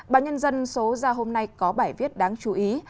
bà nhân dân số ra hôm nay có bài viết đáng chú ý